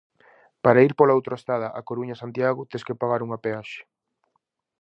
Para ir pola autoestrada A Coruña-Santiago tes que pagar unha peaxe.